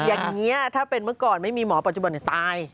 อย่างนี้ถ้าเป็นเมื่อก่อนไม่มีหมอปัจจุบันตาย